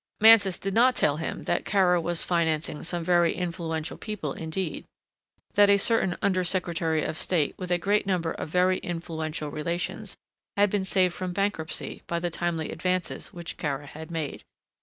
Mansus did not tell him that Kara was financing some very influential people indeed, that a certain Under secretary of State with a great number of very influential relations had been saved from bankruptcy by the timely advances which Kara had made.